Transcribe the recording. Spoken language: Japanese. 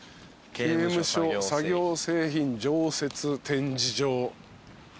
刑務所作業製品常設展示場。